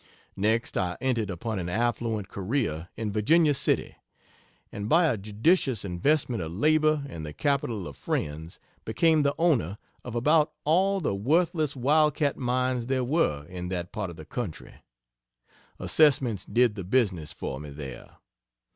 Next I entered upon an affluent career in Virginia City, and by a judicious investment of labor and the capital of friends, became the owner of about all the worthless wild cat mines there were in that part of the country. Assessments did the business for me there.